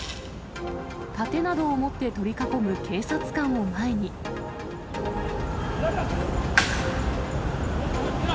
盾などを持って取り囲む警察官をお願いします。